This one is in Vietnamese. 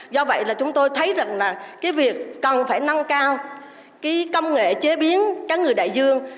do vậy là chúng tôi thấy rằng là cái việc cần phải nâng cao cái công nghệ chế biến cá người đại dương